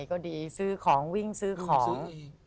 ก็ดีซื้อของวิ่งซื้อของ